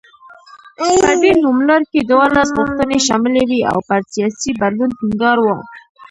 په دې نوملړ کې دولس غوښتنې شاملې وې او پر سیاسي بدلون ټینګار و.